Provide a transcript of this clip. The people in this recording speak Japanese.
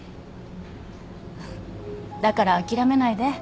だから諦めないで。